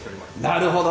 なるほど。